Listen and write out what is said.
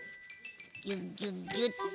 ギュギュギュッと。